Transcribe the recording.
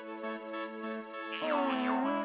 うん。